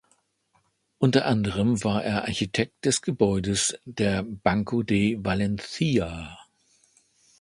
Unter anderem war er Architekt des Gebäudes der Banco de Valencia.